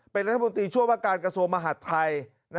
เป็นรัฐมนตรีช่วยว่าการกระทรวงมหาดไทย